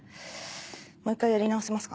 もう１回やり直せますか？